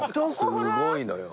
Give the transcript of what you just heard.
すごいのよ。